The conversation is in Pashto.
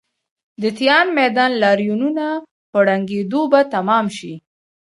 د تیان میدان لاریونونه په ړنګېدو به تمام شي.